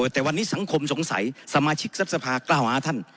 แต่วันนี้สังคมสงสัยสมาชิกทรัพสภากล้าวหาท่าน